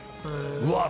うわっ！